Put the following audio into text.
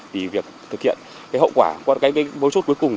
vì việc thực hiện cái hậu quả qua cái bối chốt cuối cùng